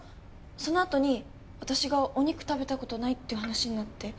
そのあとに私がお肉食べたことないって話になって。